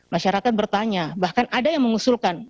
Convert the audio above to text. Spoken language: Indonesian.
masyarakat bertanya bahkan ada yang mengusulkan